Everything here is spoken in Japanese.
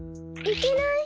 いけない。